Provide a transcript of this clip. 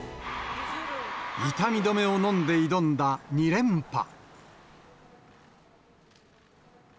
痛み止めを飲んで挑んだ２連覇。